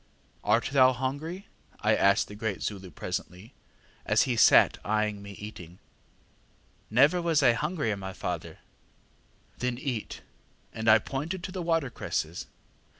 ŌĆ£ŌĆśArt thou not hungry? ŌĆÖ I asked the great Zulu presently, as he sat eyeing me eating. ŌĆ£ŌĆśNever was I hungrier, my father. ŌĆÖ ŌĆ£ŌĆśThen eat, ŌĆÖ and I pointed to the watercresses.